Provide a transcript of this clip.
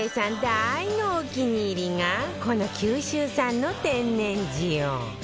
大のお気に入りがこの九州産の天然塩